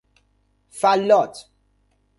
فلاّت